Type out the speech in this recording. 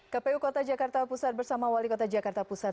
kpu kota jakarta pusat bersama wali kota jakarta pusat